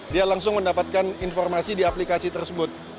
dia langsung mendapatkan informasi di aplikasi tersebut